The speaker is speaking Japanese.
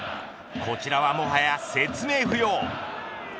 こちらはもはや、説明不要。